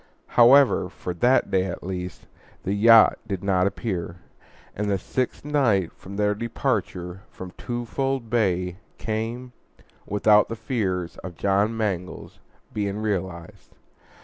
However, for that day at least, the yacht did not appear, and the sixth night from their departure from Twofold Bay came, without the fears of John Mangles being realized.